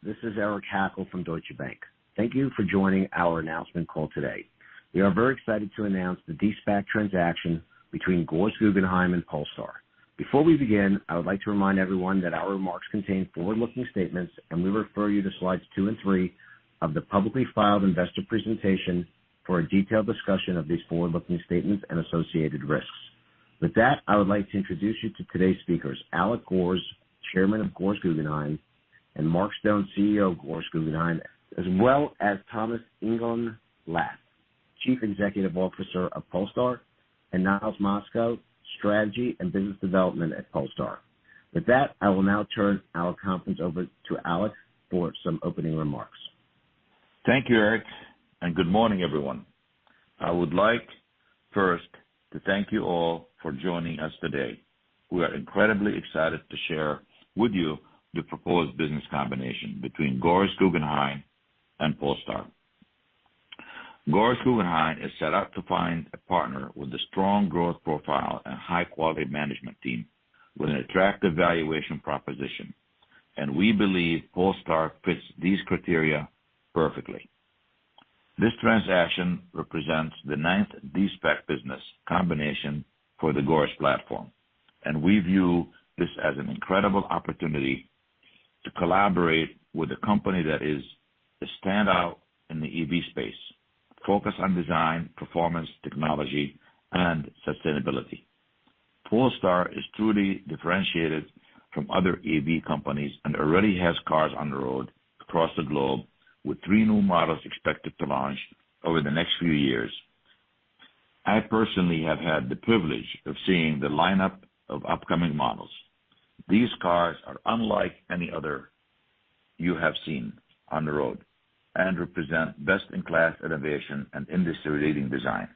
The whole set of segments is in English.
This is Eric Hackel from Deutsche Bank. Thank you for joining our announcement call today. We are very excited to announce the de-SPAC transaction between Gores Guggenheim and Polestar. Before we begin, I would like to remind everyone that our remarks contain forward-looking statements, and we refer you to slides 2 and 3 of the publicly filed investor presentation for a detailed discussion of these forward-looking statements and associated risks. With that, I would like to introduce you to today's speakers, Alec Gores, Chairman of Gores Guggenheim, and Mark Stone, CEO of Gores Guggenheim, as well as Thomas Ingenlath, Chief Executive Officer of Polestar, and Nils Mösko, strategy and business development at Polestar. With that, I will now turn our conference over to Alec for some opening remarks. Thank you, Eric, and good morning, everyone. I would like first to thank you all for joining us today. We are incredibly excited to share with you the proposed business combination between Gores Guggenheim and Polestar. Gores Guggenheim has set out to find a partner with a strong growth profile and high-quality management team with an attractive valuation proposition, and we believe Polestar fits these criteria perfectly. This transaction represents the ninth de-SPAC business combination for the Gores platform, and we view this as an incredible opportunity to collaborate with a company that is a standout in the EV space, focused on design, performance, technology, and sustainability. Polestar is truly differentiated from other EV companies and already has cars on the road across the globe, with three new models expected to launch over the next few years. I personally have had the privilege of seeing the lineup of upcoming models. These cars are unlike any other you have seen on the road and represent best-in-class innovation and industry-leading design.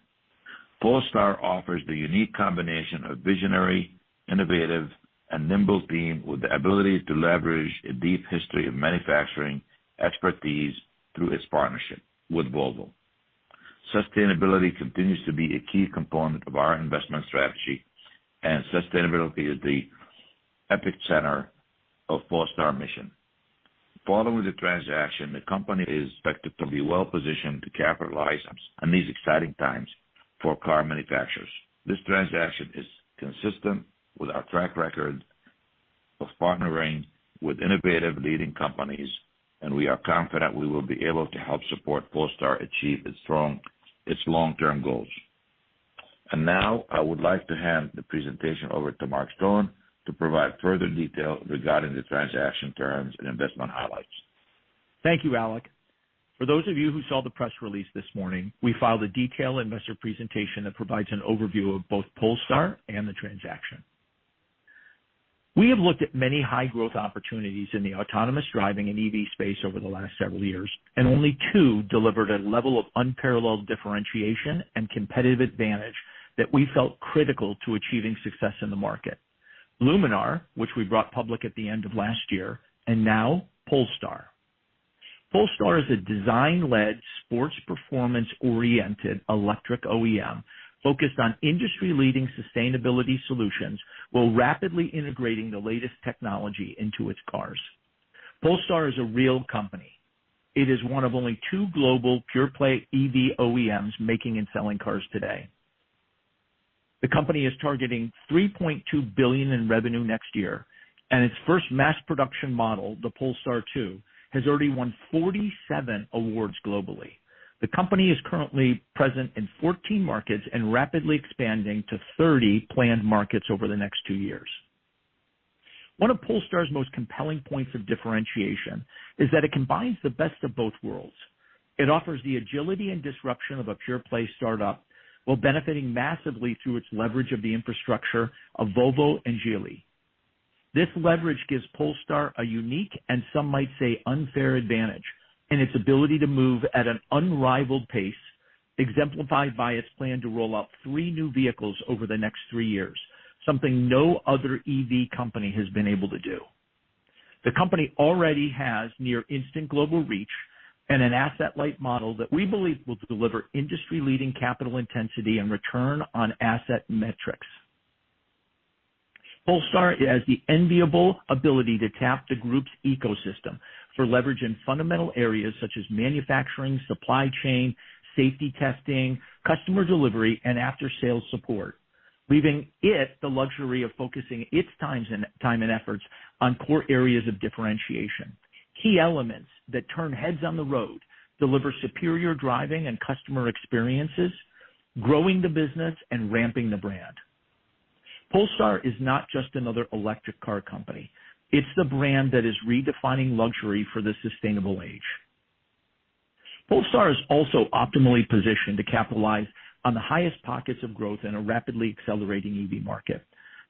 Polestar offers the unique combination of visionary, innovative, and nimble team with the ability to leverage a deep history of manufacturing expertise through its partnership with Volvo. Sustainability continues to be a key component of our investment strategy, and sustainability is the epicenter of Polestar mission. Following the transaction, the company is expected to be well-positioned to capitalize on these exciting times for car manufacturers. This transaction is consistent with our track record of partnering with innovative leading companies, and we are confident we will be able to help support Polestar achieve its long-term goals. Now I would like to hand the presentation over to Mark Stone to provide further detail regarding the transaction terms and investment highlights. Thank you, Alec. For those of you who saw the press release this morning, we filed a detailed investor presentation that provides an overview of both Polestar and the transaction. We have looked at many high-growth opportunities in the autonomous driving and EV space over the last several years, only two delivered a level of unparalleled differentiation and competitive advantage that we felt critical to achieving success in the market. Luminar, which we brought public at the end of last year, now Polestar. Polestar is a design-led sports performance-oriented electric OEM focused on industry-leading sustainability solutions while rapidly integrating the latest technology into its cars. Polestar is a real company. It is one of only two global pure-play EV OEMs making and selling cars today. The company is targeting $3.2 billion in revenue next year, and its first mass production model, the Polestar 2, has already won 47 awards globally. The company is currently present in 14 markets and rapidly expanding to 30 planned markets over the next two years. One of Polestar's most compelling points of differentiation is that it combines the best of both worlds. It offers the agility and disruption of a pure-play startup while benefiting massively through its leverage of the infrastructure of Volvo and Geely. This leverage gives Polestar a unique, and some might say unfair advantage, in its ability to move at an unrivaled pace, exemplified by its plan to roll out three new vehicles over the next three years, something no other EV company has been able to do. The company already has near instant global reach and an asset-light model that we believe will deliver industry-leading capital intensity and return on asset metrics. Polestar has the enviable ability to tap the group's ecosystem for leverage in fundamental areas such as manufacturing, supply chain, safety testing, customer delivery, and after-sales support, leaving it the luxury of focusing its time and efforts on core areas of differentiation, key elements that turn heads on the road, deliver superior driving and customer experiences, growing the business, and ramping the brand. Polestar is not just another electric car company. It's the brand that is redefining luxury for the sustainable age. Polestar is also optimally positioned to capitalize on the highest pockets of growth in a rapidly accelerating EV market.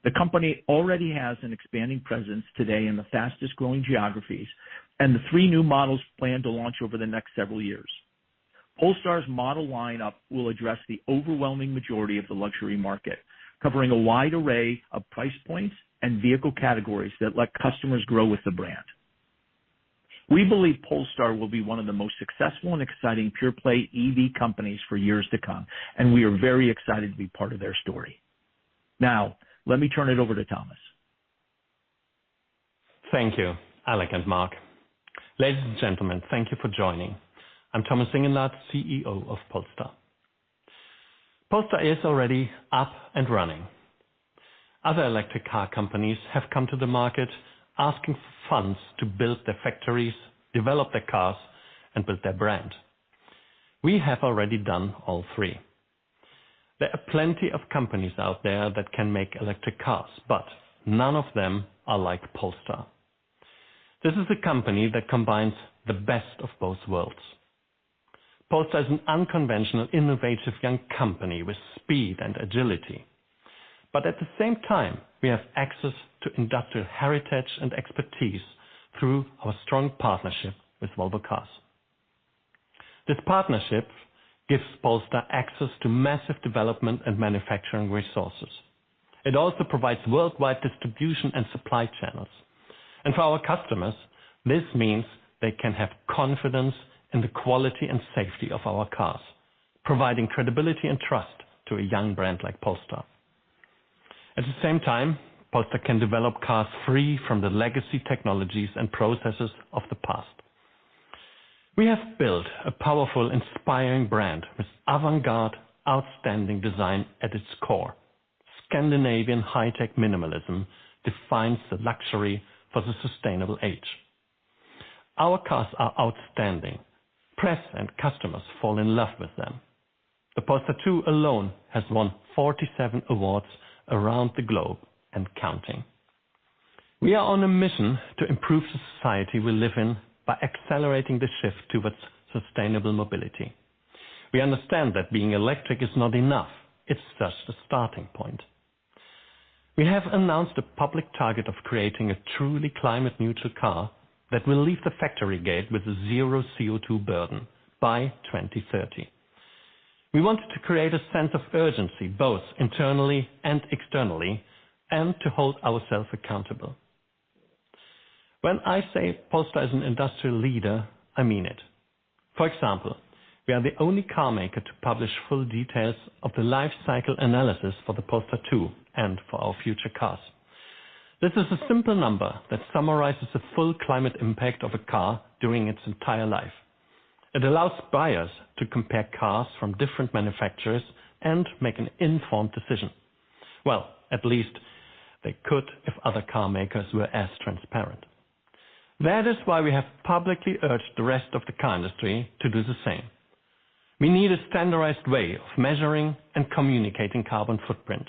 The company already has an expanding presence today in the fastest-growing geographies and the three new models planned to launch over the next several years. Polestar's model lineup will address the overwhelming majority of the luxury market, covering a wide array of price points and vehicle categories that let customers grow with the brand. We believe Polestar will be one of the most successful and exciting pure-play EV companies for years to come, and we are very excited to be part of their story. Now, let me turn it over to Thomas. Thank you, Alec and Mark. Ladies and gentlemen, thank you for joining. I'm Thomas Ingenlath, CEO of Polestar. Polestar is already up and running. Other electric car companies have come to the market asking for funds to build their factories, develop their cars, and build their brand. We have already done all three. There are plenty of companies out there that can make electric cars, but none of them are like Polestar. This is a company that combines the best of both worlds. Polestar is an unconventional, innovative, young company with speed and agility. At the same time, we have access to industrial heritage and expertise through our strong partnership with Volvo Cars. This partnership gives Polestar access to massive development and manufacturing resources. It also provides worldwide distribution and supply channels. For our customers, this means they can have confidence in the quality and safety of our cars, providing credibility and trust to a young brand like Polestar. At the same time, Polestar can develop cars free from the legacy technologies and processes of the past. We have built a powerful, inspiring brand with avant-garde, outstanding design at its core. Scandinavian high-tech minimalism defines the luxury for the sustainable age. Our cars are outstanding. Press and customers fall in love with them. The Polestar 2 alone has won 47 awards around the globe and counting. We are on a mission to improve the society we live in by accelerating the shift towards sustainable mobility. We understand that being electric is not enough. It's just a starting point. We have announced a public target of creating a truly climate neutral car that will leave the factory gate with a zero CO2 burden by 2030. We wanted to create a sense of urgency, both internally and externally, and to hold ourselves accountable. When I say Polestar is an industrial leader, I mean it. For example, we are the only car maker to publish full details of the life cycle analysis for the Polestar 2 and for our future cars. This is a simple number that summarizes the full climate impact of a car during its entire life. It allows buyers to compare cars from different manufacturers and make an informed decision. Well, at least they could if other car makers were as transparent. That is why we have publicly urged the rest of the car industry to do the same. We need a standardized way of measuring and communicating carbon footprint,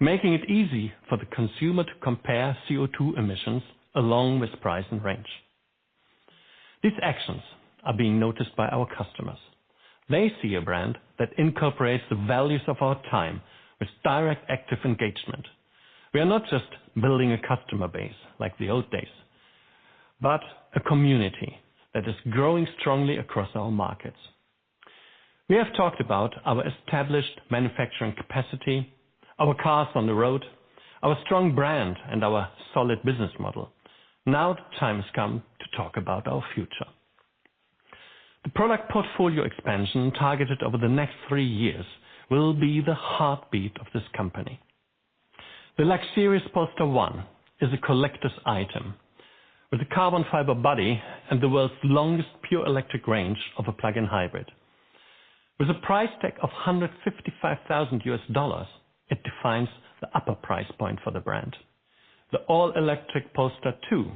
making it easy for the consumer to compare CO2 emissions, along with price and range. These actions are being noticed by our customers. They see a brand that incorporates the values of our time with direct, active engagement. We are not just building a customer base like the old days, but a community that is growing strongly across our markets. We have talked about our established manufacturing capacity, our cars on the road, our strong brand, and our solid business model. Now the time has come to talk about our future. The product portfolio expansion targeted over the next three years will be the heartbeat of this company. The luxurious Polestar 1 is a collector's item, with a carbon fiber body and the world's longest pure electric range of a plug-in hybrid. With a price tag of $155,000, it defines the upper price point for the brand. The all-electric Polestar 2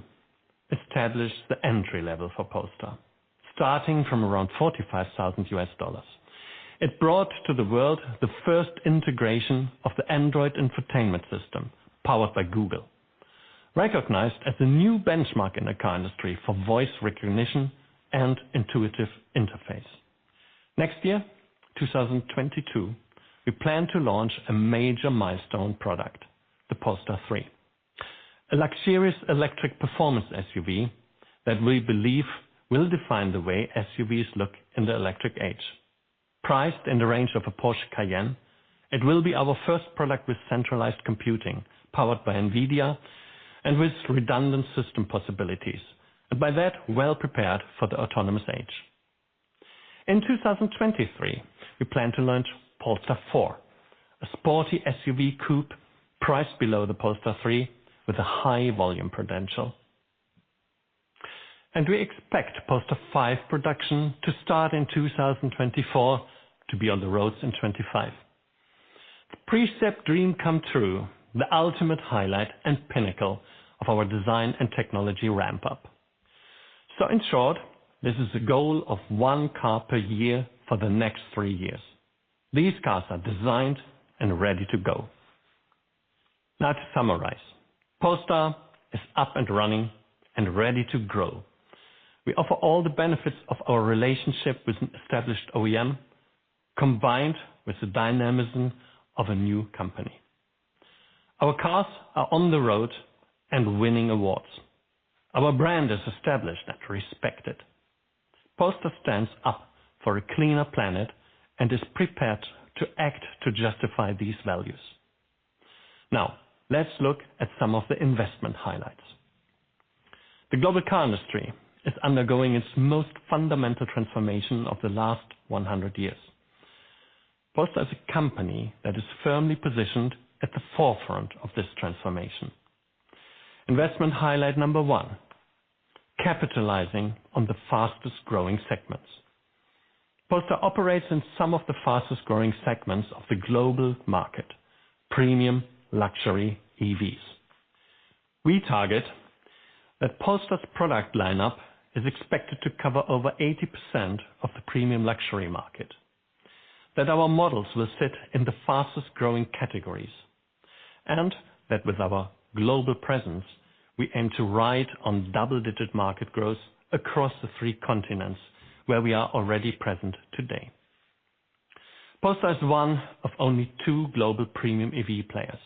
established the entry level for Polestar, starting from around $45,000. It brought to the world the first integration of the Android Infotainment OS, powered by Google, recognized as the new benchmark in the car industry for voice recognition and intuitive interface. Next year, 2022, we plan to launch a major milestone product, the Polestar 3, a luxurious electric performance SUV that we believe will define the way SUVs look in the electric age. Priced in the range of a Porsche Cayenne, it will be our first product with centralized computing, powered by NVIDIA, and with redundant system possibilities. By that, well prepared for the autonomous age. In 2023, we plan to launch Polestar 4, a sporty SUV coupé priced below the Polestar 3 with a high volume potential. We expect Polestar 5 production to start in 2024 to be on the roads in 2025. The Precept dream come true, the ultimate highlight and pinnacle of our design and technology ramp-up. In short, this is a goal of one car per year for the next three years. These cars are designed and ready to go. Now to summarize, Polestar is up and running and ready to grow. We offer all the benefits of our relationship with an established OEM, combined with the dynamism of a new company. Our cars are on the road and winning awards. Our brand is established and respected. Polestar stands up for a cleaner planet and is prepared to act to justify these values. Let's look at some of the investment highlights. The global car industry is undergoing its most fundamental transformation of the last 100 years. Polestar is a company that is firmly positioned at the forefront of this transformation. Investment highlight number one, capitalizing on the fastest-growing segments. Polestar operates in some of the fastest-growing segments of the global market, premium luxury EVs. We target that Polestar's product lineup is expected to cover over 80% of the premium luxury market, that our models will sit in the fastest-growing categories, and that with our global presence, we aim to ride on double-digit market growth across the three continents where we are already present today. Polestar is one of only two global premium EV players.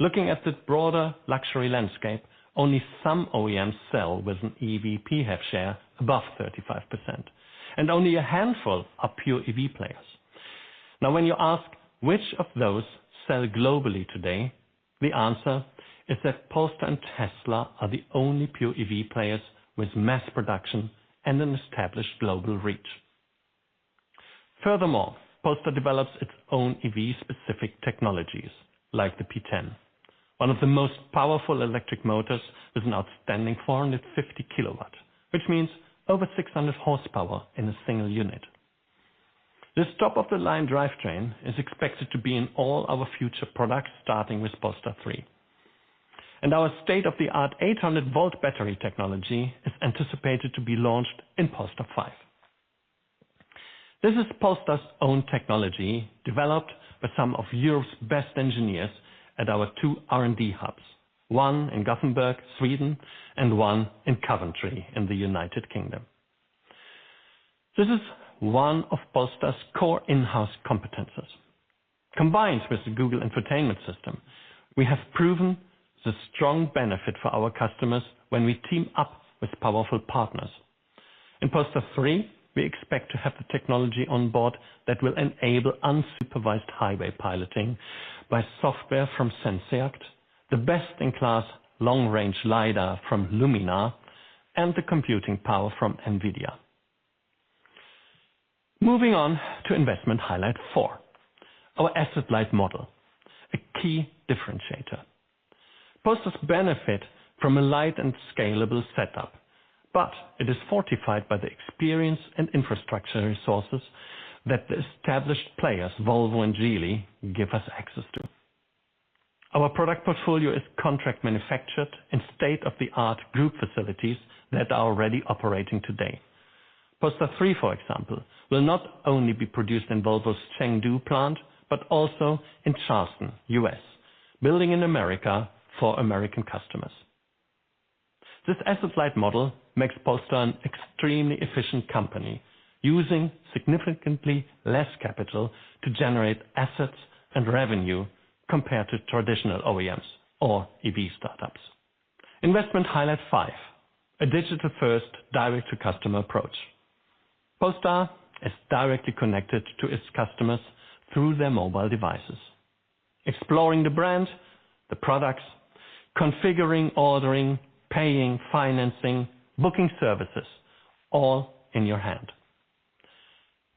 Looking at the broader luxury landscape, only some OEMs sell with an EV P have share above 35%, and only a handful are pure EV players. When you ask which of those sell globally today, the answer is that Polestar and Tesla are the only pure EV players with mass production and an established global reach. Polestar develops its own EV specific technologies like the P10, one of the most powerful electric motors with an outstanding 450 kilowatts, which means over 600 horsepower in a single unit. This top-of-the-line drivetrain is expected to be in all our future products, starting with Polestar 3. Our state-of-the-art 800-volt battery technology is anticipated to be launched in Polestar 5. This is Polestar's own technology developed by some of Europe's best engineers at our two R&D hubs, one in Gothenburg, Sweden, and one in Coventry in the United Kingdom. This is one of Polestar's core in-house competencies. Combined with the Google entertainment system, we have proven the strong benefit for our customers when we team up with powerful partners. In Polestar 3, we expect to have the technology on board that will enable unsupervised highway piloting by software from Zenseact, the best-in-class long-range lidar from Luminar, and the computing power from NVIDIA. Moving on to investment highlight four, our asset-light model, a key differentiator. Polestar benefit from a light and scalable setup, but it is fortified by the experience and infrastructure resources that the established players, Volvo and Geely, give us access to. Our product portfolio is contract manufactured in state-of-the-art group facilities that are already operating today. Polestar 3, for example, will not only be produced in Volvo's Chengdu plant, but also in Charleston, U.S., building in America for American customers. This asset-light model makes Polestar an extremely efficient company, using significantly less capital to generate assets and revenue compared to traditional OEMs or EV startups. Investment highlight five, a digital-first direct-to-customer approach. Polestar is directly connected to its customers through their mobile devices. Exploring the brand, the products, configuring, ordering, paying, financing, booking services, all in your hand.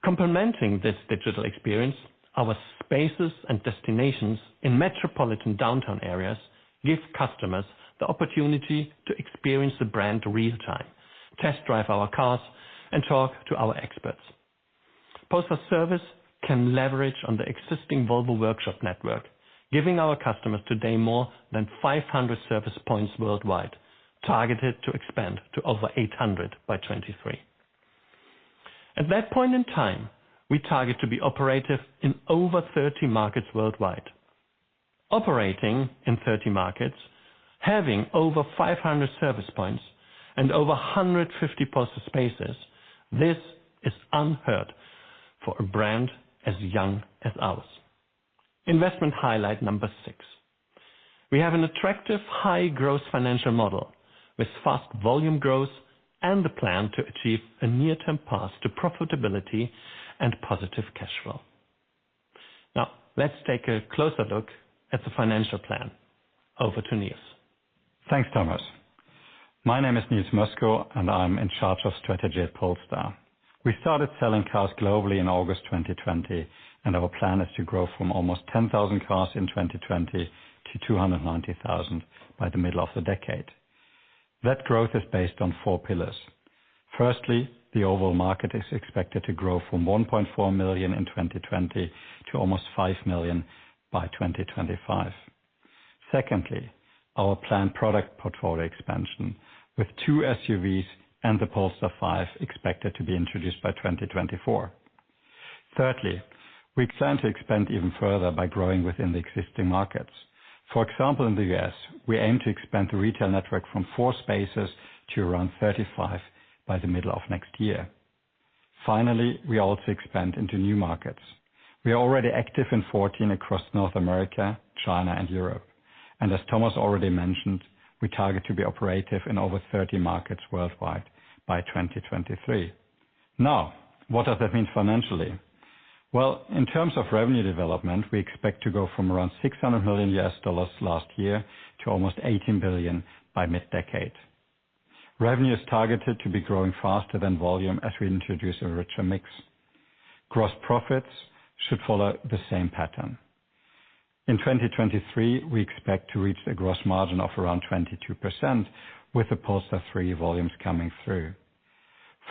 Complementing this digital experience, our spaces and destinations in metropolitan downtown areas give customers the opportunity to experience the brand real-time, test drive our cars, and talk to our experts. Polestar service can leverage on the existing Volvo workshop network, giving our customers today more than 500 service points worldwide, targeted to expand to over 800 by 2023. At that point in time, we target to be operative in over 30 markets worldwide. Operating in 30 markets, having over 500 service points and over 150 Polestar spaces. This is unheard for a brand as young as ours. Investment highlight number six, we have an attractive high-growth financial model with fast volume growth and the plan to achieve a near-term path to profitability and positive cash flow. Let's take a closer look at the financial plan. Over to Nils. Thanks, Thomas. My name is Nils Mösko, I'm in charge of strategy at Polestar. We started selling cars globally in August 2020, our plan is to grow from almost 10,000 cars in 2020 to 290,000 by the middle of the decade. That growth is based on four pillars. Firstly, the overall market is expected to grow from $1.4 million in 2020 to almost $5 million by 2025. Secondly, our planned product portfolio expansion with two SUVs and the Polestar 5 expected to be introduced by 2024. Thirdly, we plan to expand even further by growing within the existing markets. For example, in the U.S., we aim to expand the retail network from four spaces to around 35 by the middle of next year. Finally, we also expand into new markets. We are already active in 14 across North America, China, and Europe. As Thomas already mentioned, we target to be operative in over 30 markets worldwide by 2023. Now, what does that mean financially? Well, in terms of revenue development, we expect to go from around $600 million last year to almost $18 billion by mid-decade. Revenue is targeted to be growing faster than volume as we introduce a richer mix. Gross profits should follow the same pattern. In 2023, we expect to reach a gross margin of around 22% with the Polestar 3 volumes coming through,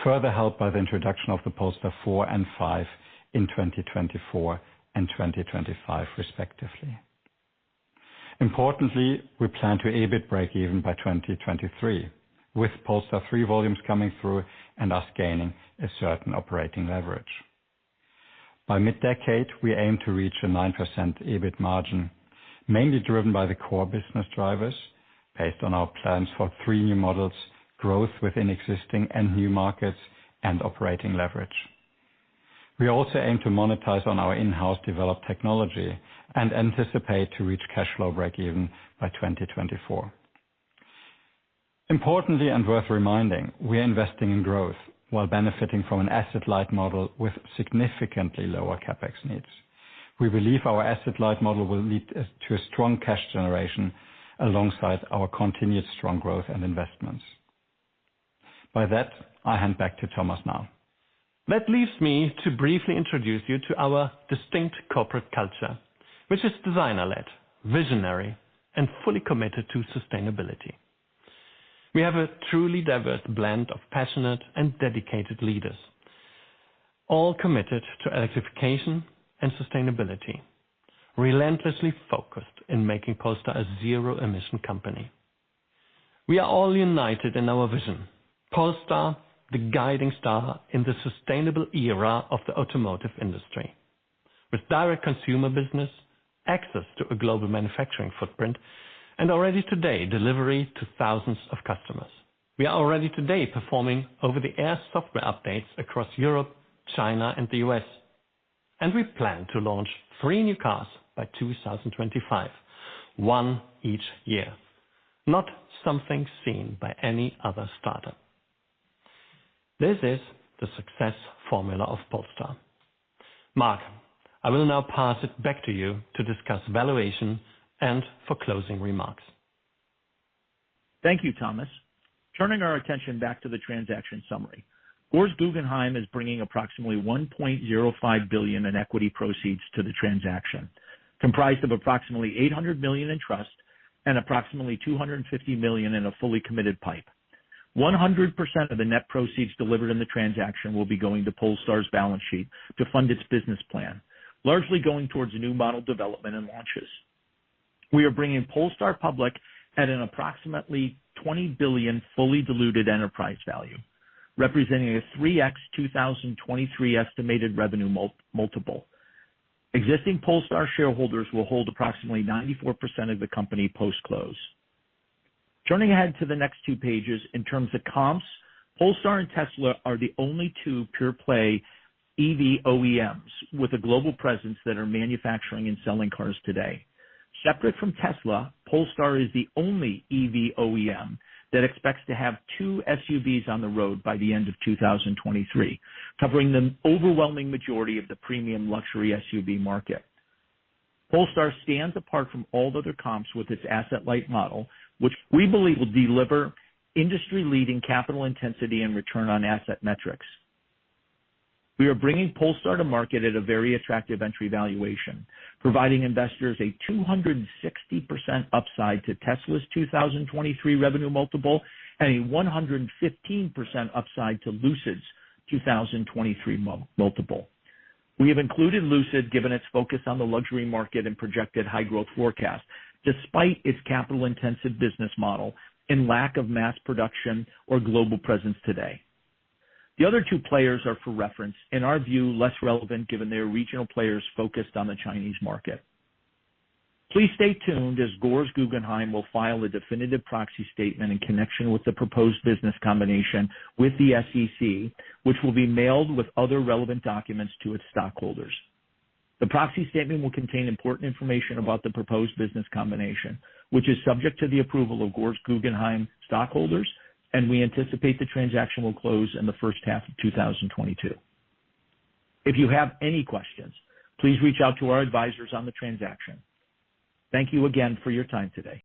further helped by the introduction of the Polestar 4 and 5 in 2024 and 2025 respectively. Importantly, we plan to EBIT break-even by 2023, with Polestar 3 volumes coming through and us gaining a certain operating leverage. By mid-decade, we aim to reach a 9% EBIT margin, mainly driven by the core business drivers based on our plans for three new models, growth within existing and new markets, and operating leverage. We also aim to monetize on our in-house developed technology and anticipate to reach cash flow break even by 2024. Importantly and worth reminding, we are investing in growth while benefiting from an asset-light model with significantly lower CapEx needs. We believe our asset-light model will lead to a strong cash generation alongside our continued strong growth and investments. By that, I hand back to Thomas now. That leaves me to briefly introduce you to our distinct corporate culture, which is designer-led, visionary, and fully committed to sustainability. We have a truly diverse blend of passionate and dedicated leaders, all committed to electrification and sustainability, relentlessly focused in making Polestar a zero-emission company. We are all united in our vision, Polestar, the guiding star in the sustainable era of the automotive industry. With direct consumer business, access to a global manufacturing footprint, and already today, delivery to thousands of customers. We are already today performing over-the-air software updates across Europe, China, and the U.S., and we plan to launch three new cars by 2025, one each year. Not something seen by any other startup. This is the success formula of Polestar. Mark, I will now pass it back to you to discuss valuation and for closing remarks. Thank you, Thomas. Turning our attention back to the transaction summary. Gores Guggenheim is bringing approximately $1.05 billion in equity proceeds to the transaction, comprised of approximately $800 million in trust and approximately $250 million in a fully committed PIPE. 100% of the net proceeds delivered in the transaction will be going to Polestar's balance sheet to fund its business plan, largely going towards new model development and launches. We are bringing Polestar public at an approximately $20 billion fully diluted enterprise value, representing a 3x 2023 estimated revenue multiple. Existing Polestar shareholders will hold approximately 94% of the company post-close. Turning ahead to the next two pages, in terms of comps, Polestar and Tesla are the only two pure-play EV OEMs with a global presence that are manufacturing and selling cars today. Separate from Tesla, Polestar is the only EV OEM that expects to have two SUVs on the road by the end of 2023, covering the overwhelming majority of the premium luxury SUV market. Polestar stands apart from all other comps with its asset-light model, which we believe will deliver industry-leading capital intensity and return on asset metrics. We are bringing Polestar to market at a very attractive entry valuation, providing investors a 260% upside to Tesla's 2023 revenue multiple and a 115% upside to Lucid's 2023 multiple. We have included Lucid given its focus on the luxury market and projected high growth forecast, despite its capital-intensive business model and lack of mass production or global presence today. The other two players are, for reference, in our view, less relevant given they are regional players focused on the Chinese market. Please stay tuned as Gores Guggenheim will file a definitive proxy statement in connection with the proposed business combination with the SEC, which will be mailed with other relevant documents to its stockholders. The proxy statement will contain important information about the proposed business combination, which is subject to the approval of Gores Guggenheim stockholders, and we anticipate the transaction will close in the first half of 2022. If you have any questions, please reach out to our advisors on the transaction. Thank you again for your time today.